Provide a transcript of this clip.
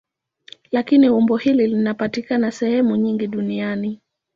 Lakini umbo hili linapatikana sehemu nyingi duniani.